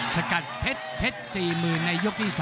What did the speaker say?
สกัดเพชร๔๐๐๐ในยกที่๓